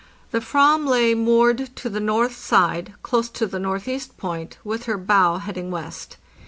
The Fram \ay moored to the north side close to the northeast point, with her bow heading west.